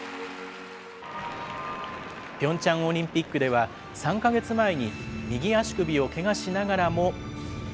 ピョンチャンオリンピックでは、３か月前に右足首をけがしながらも。